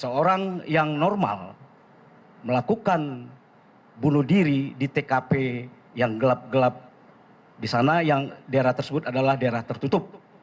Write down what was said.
seorang yang normal melakukan bunuh diri di tkp yang gelap gelap di sana yang daerah tersebut adalah daerah tertutup